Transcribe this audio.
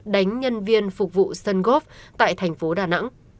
đánh nhân viên phục vụ sân góp tại thành phố đà nẵng